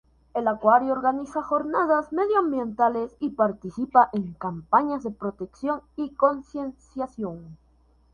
El acuario organiza jornadas medioambientales y participa en campañas de protección y concienciación.